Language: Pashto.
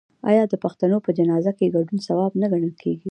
آیا د پښتنو په جنازه کې ګډون ثواب نه ګڼل کیږي؟